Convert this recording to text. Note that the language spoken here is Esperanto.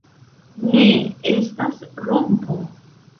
Ne, estas rompo.